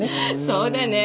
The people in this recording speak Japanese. そうだね。